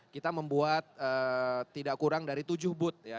kita membuat tidak kurang dari tujuh booth ya